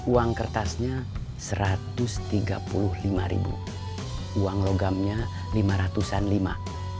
uang kertasnya satu ratus tiga puluh lima ribu uang logamnya lima ratusan lima